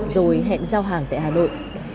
rồi hẹn giao hàng tại hà nội